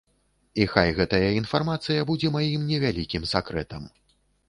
І хай гэтая інфармацыя будзе маім невялікім сакрэтам.